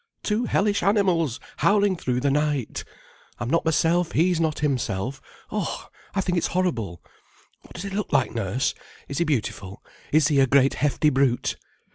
Two hellish animals howling through the night! I'm not myself, he's not himself. Oh, I think it's horrible. What does he look like, Nurse? Is he beautiful? Is he a great hefty brute?"